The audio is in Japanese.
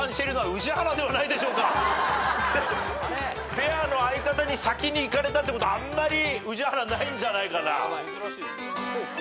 ペアの相方に先にいかれたってことあんまり宇治原ないんじゃないかな。